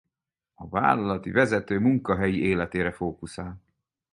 A vállalati vezető munkahelyi életére fókuszál.